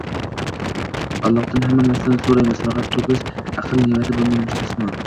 Allohdan hamma narsani so‘raymiz, faqat to‘kis aql ne’mati bundan mustasno.